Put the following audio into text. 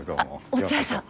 落合さん。